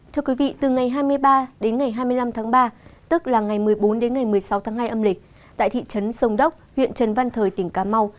thưa quý vị từ ngày hai mươi ba đến ngày hai mươi năm tháng ba tức là ngày một mươi bốn đến ngày một mươi sáu tháng hai âm lịch tại thị trấn sông đốc huyện trần văn thời tỉnh cà mau